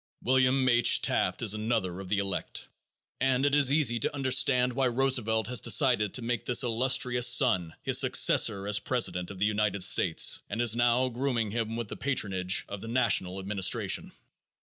William H. Taft is another of the elect, and it is easy to understand why Roosevelt has decided to make this illustrious son his successor as president of the United States and is now grooming him with the patronage of the national administration.